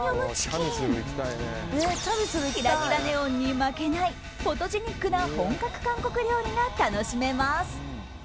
キラキラネオンに負けないフォトジェニックな本格韓国料理が楽しめます。